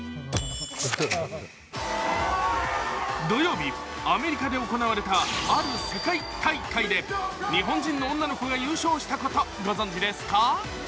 土曜日、アメリカで行われたある世界大会で、日本人の女の子が優勝したこと、ご存じですか？